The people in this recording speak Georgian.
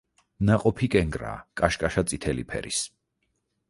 ნაყოფი კენკრაა, კაშკაშა წითელი ფერის.